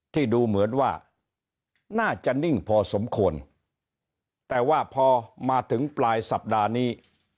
ดูเหมือนว่าน่าจะนิ่งพอสมควรแต่ว่าพอมาถึงปลายสัปดาห์นี้